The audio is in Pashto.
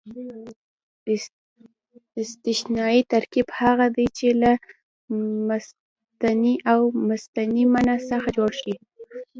استثنایي ترکیب هغه دئ، چي له مستثنی او مستثنی منه څخه جوړ يي.